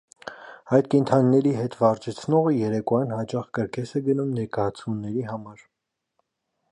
Այդ կենդանիների հետ վարժեցնողը երեկոյան հաճախ կրկես է գնում ներկայացումների համար։